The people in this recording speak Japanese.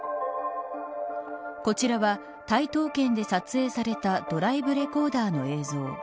こちらは台東県で撮影されたドライブレコーダーの映像。